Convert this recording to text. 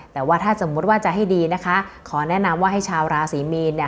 แต่ว่าถ้าสมมุติว่าจะให้ดีนะคะขอแนะนำว่าให้ชาวราศรีมีน